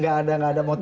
gak ada motif politik